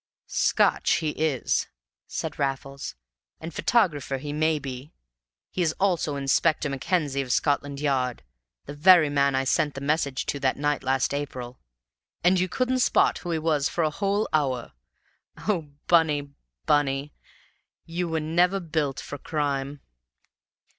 "Scotch he is," said Raffles, "and photographer he may be. He is also Inspector Mackenzie of Scotland Yard the very man I sent the message to that night last April. And you couldn't spot who he was in a whole hour! O Bunny, Bunny, you were never built for crime!"